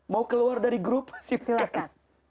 mau keluar dari grup wasit silahkan